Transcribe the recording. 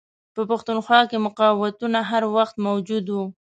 په پښتونخوا کې مقاوتونه هر وخت موجود وه.